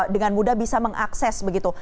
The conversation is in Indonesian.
dengan mudah bisa mengakses begitu